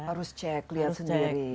harus cek lihat sendiri